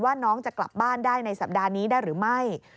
น้องจะกลับบ้านได้ในสัปดาห์นี้ได้หรือไม่